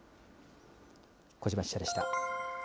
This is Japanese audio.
小嶋記者でした。